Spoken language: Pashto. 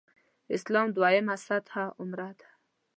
اسلام دویمه سطح عمره ده.